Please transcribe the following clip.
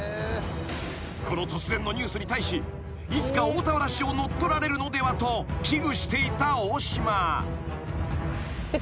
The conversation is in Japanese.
［この突然のニュースに対しいつか大田原市を乗っ取られるのではと危惧していた大島］